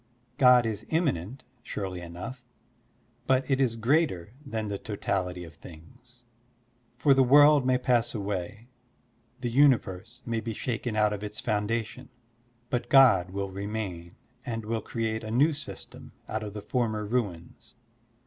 God is immanent, surely enough, but it is greater than the totality of things. For the world may pass away, the universe may be shaken out of its foundation, but God will remain and will create a new system out of the former ruins.